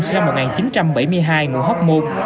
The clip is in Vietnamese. sau một nghìn chín trăm bảy mươi hai ngụ hốc một